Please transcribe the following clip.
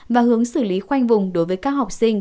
và hướng xử lý khoanh vùng đối với các học sinh